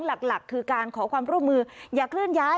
หลักคือการขอความร่วมมืออย่าเคลื่อนย้าย